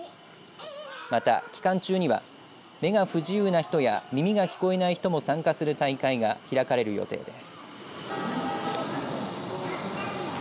また、期間中には目が不自由な人や耳が聞こえない人も参加する大会が開かれる予定です。